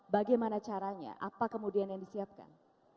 bagaimana caranya apa kemudian yang disiapkan